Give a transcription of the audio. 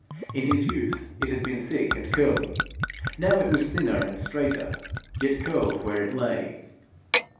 In his youth, it had been thick and curling; now it was thinner and straighter, yet curled where it lay.